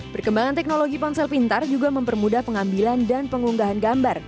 perkembangan teknologi ponsel pintar juga mempermudah pengambilan dan pengunggahan gambar